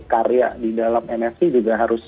karya di dalam nft juga harus